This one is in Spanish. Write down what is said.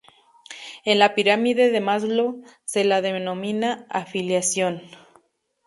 En la pirámide de Maslow se la denomina: Afiliación.